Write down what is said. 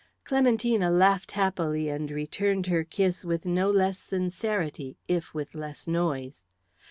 Clementina laughed happily and returned her kiss with no less sincerity, if with less noise.